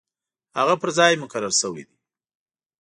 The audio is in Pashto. هغه پر ځای مقرر شوی دی.